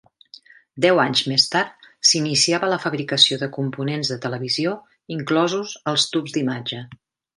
Deu anys més tard s'iniciava la fabricació de components de televisió, inclosos els tubs d'imatge.